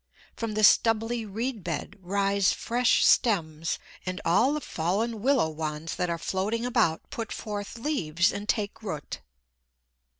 From the stubbly reed bed rise fresh stems; and all the fallen willow wands that are floating about put forth leaves and take root.